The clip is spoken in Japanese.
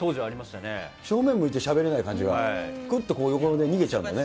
正面向いてしゃべれない感じが、くっと横に逃げちゃうんだね。